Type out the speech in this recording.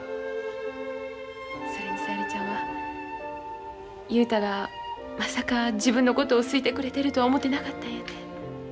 それに小百合ちゃんは雄太がまさか自分のことを好いてくれてるとは思てなかったんやて。